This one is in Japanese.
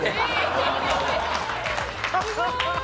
すごい。